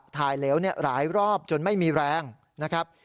เหลวหลายรอบจนไม่มีแรงนะครับ